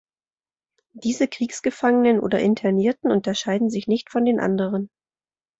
Diese Kriegsgefangenen oder Internierten unterscheiden sich nicht von den anderen.